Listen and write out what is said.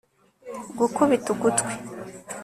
gukubita ugutwi